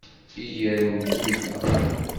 Iger n temda